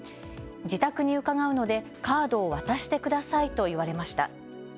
自宅に伺うのでカードを渡してくださいと言われました。